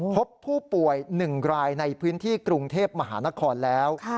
พบผู้ป่วย๑รายในพื้นที่กรุงเทพมหานครแล้ว